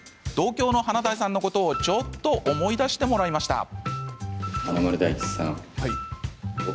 同郷の華大さんのことをちょっと思い出してもらいました。